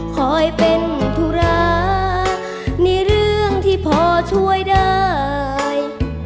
คอยเป็นธุระในเรื่องที่พอช่วยได้